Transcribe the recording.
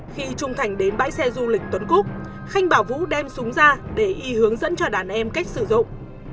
khi trung thành đến bãi xe du lịch tuấn cúc khanh bảo vũ đem súng ra để y hướng dẫn cho đàn em cách sử dụng